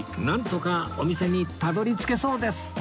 なんとかお店にたどり着けそうです！